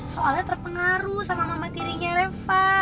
soalnya terpengaruh sama mama tirinya reva